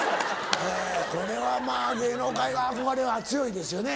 これはまぁ芸能界は憧れが強いですよね。